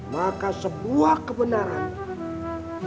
maka sebuah kebenaran